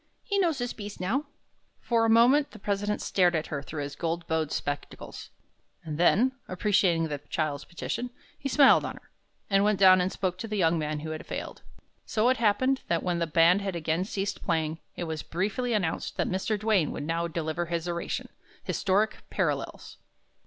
He knows his 'piece' now." For a moment, the president stared at her through his gold bowed spectacles, and then, appreciating the child's petition, he smiled on her, and went down and spoke to the young man who had failed. So it happened that when the band had again ceased playing, it was briefly announced that Mr. Duane would now deliver his oration, "Historic Parallels."